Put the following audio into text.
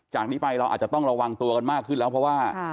จากนี้ไปเราอาจจะต้องระวังตัวกันมากขึ้นแล้วเพราะว่า